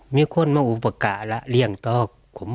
เมื่อคนมาอุปกรณ์และเรียงต้อก